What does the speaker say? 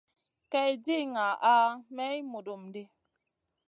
Kay di ŋaha may mudum ɗi.